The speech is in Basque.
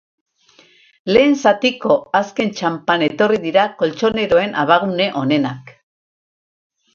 Lehen zatiko azken txanpan etorri dira koltxoneroen abagune onenak.